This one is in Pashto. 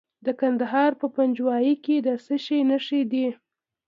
د کندهار په پنجوايي کې د څه شي نښې دي؟